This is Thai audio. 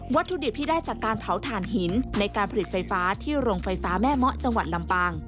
ถุดิบที่ได้จากการเผาถ่านหินในการผลิตไฟฟ้าที่โรงไฟฟ้าแม่เมาะจังหวัดลำปาง